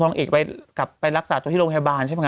พอนางเอกกลับไปรักษาตรงที่โรงพยาบาล